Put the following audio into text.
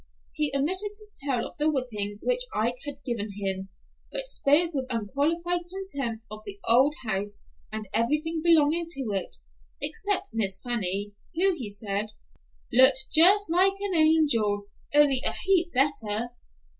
He omitted to tell of the whipping which Ike had given him, but spoke with unqualified contempt of the old house and everything belonging to it, except Miss Fanny, who, he said, "Looked just like an angel, only a heap better."